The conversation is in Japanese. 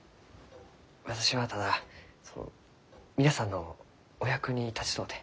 私はただその皆さんのお役に立ちとうて。